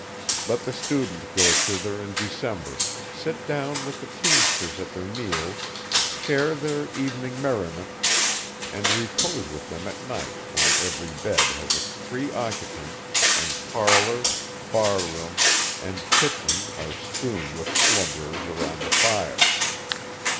Let the student go thither in December, sit down with the teamsters at their meals, share their evening merriment, and repose with them at night when every bed has its three occupants, and parlor, barroom, and kitchen are strewn with slumberers around the fire.